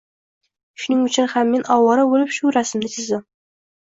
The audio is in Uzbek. Shuning uchun ham men ovora bo‘lib shu rasmni chizdim